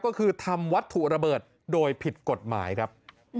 ก็คือทำวัตถุระเบิดโดยผิดกฎหมายครับ